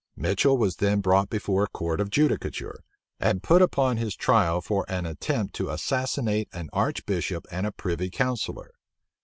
Mitchel was then brought before a court of judicature, and put upon his trial for an attempt to assassinate an archbishop and a privy counsellor.